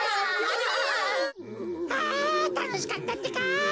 あたのしかったってか！